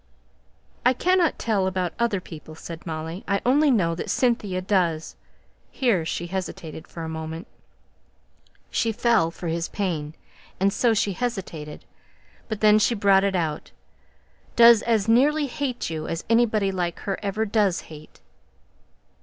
"I cannot tell about other people," said Molly; "I only know that Cynthia does " Here she hesitated for a moment; she felt for his pain, and so she hesitated; but then she brought it out "does as nearly hate you as anybody like her ever does hate."